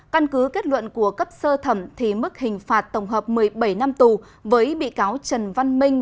căn cứ kết luận của cấp sơ thẩm thì mức hình phạt tổng hợp một mươi bảy năm tù với bị cáo trần văn minh